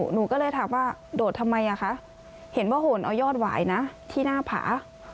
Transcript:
หนูก็เลยถามว่าโดดทำไมอ่ะคะเห็นว่าโหนเอายอดหวายนะที่หน้าผา